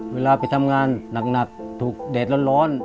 เวลาไปทำงานหนักถูกแดดร้อน